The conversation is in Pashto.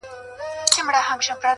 فکرونه د راتلونکو ورځو معماران دي؛